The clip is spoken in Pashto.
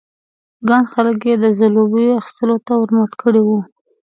ګڼ خلک یې د ځلوبیو اخيستلو ته ور مات کړي وو.